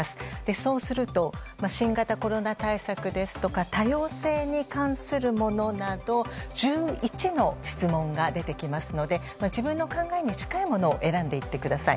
そうすると新型コロナ対策ですとか多様性に関するものなど１１の質問が出てきますので自分の考えに近いものを選んでいってください。